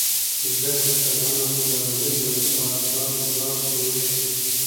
ځکه که دا ناول د لومړي ځل لپاره چاته لاس ته وشي